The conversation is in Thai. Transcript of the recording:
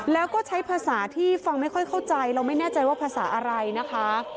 แล้วก็ใช้ภาษาที่ฟังไม่ค่อยเข้าใจเราไม่แน่ใจว่าภาษาอะไรนะคะ